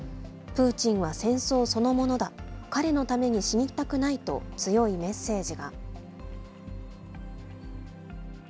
プーチンは戦争そのものだ、彼のために死にたくないと、強いメッセージが。